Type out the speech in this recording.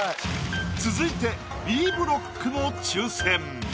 続いてＢブロックの抽選。